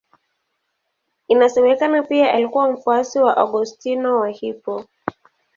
Inasemekana pia alikuwa mfuasi wa Augustino wa Hippo.